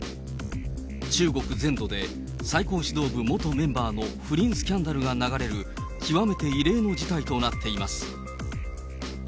中国全土で最高指導部元メンバーの不倫スキャンダルが流れる、極めて異例の事態となっています。